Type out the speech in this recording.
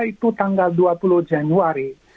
itu tanggal dua puluh januari